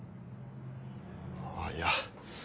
あぁいや。